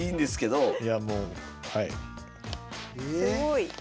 すごい。